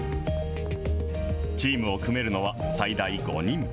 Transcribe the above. チームを組めるのは最大５人。